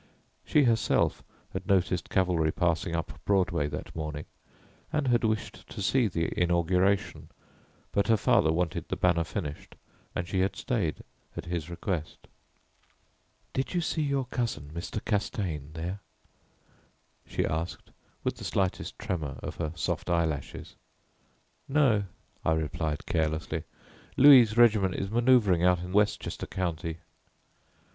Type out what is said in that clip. She herself had noticed cavalry passing up Broadway that morning, and had wished to see the inauguration, but her father wanted the banner finished, and she had stayed at his request. "Did you see your cousin, Mr. Castaigne, there?" she asked, with the slightest tremor of her soft eyelashes. "No," I replied carelessly. "Louis' regiment is manoeuvring out in Westchester County."